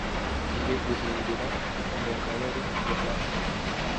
Igihe guhindura umugabare bimara